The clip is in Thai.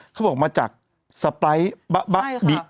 เขาบอกมาจากสไปร์บะ